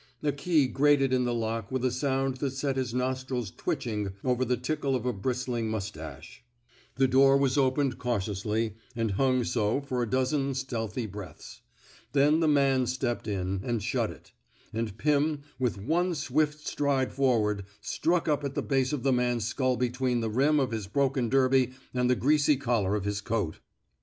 A key grated in the lock with a sound that set his nostrils twitching over the tickle of a bris tling mustache. The door was opened cau tiously, and hung so for a dozen stealthy breaths. Then the man stepped in, and shut it; and Pim, with one swift stride forward, struck up at the base of the man's skull be tween the rim of his broken derby and the greasy collar of his coat.